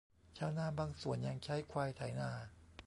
ชาวนาบางส่วนยังใช้ควายไถนา